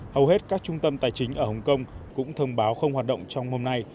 hầu hết các trung tâm tài chính ở hồng kông cũng thông báo không hoạt động trong hôm nay